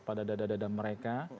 pada dada dada mereka